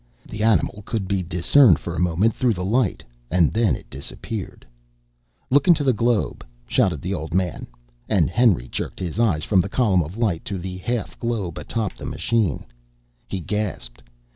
The animal could be discerned for a moment through the light and then it disappeared. "Look in the globe!" shouted the old man; and Henry jerked his eyes from the column of light to the half globe atop the machine. He gasped.